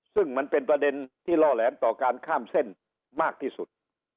ซึ่งมันเป็นประเด็นที่ล่อแหลมต่อการข้ามเส้นมากที่สุด